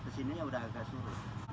kesininya sudah agak surut